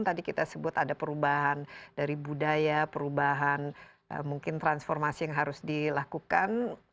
tadi kita sebut ada perubahan dari budaya perubahan mungkin transformasi yang harus dilakukan